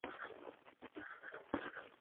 聋人开门取得芒果。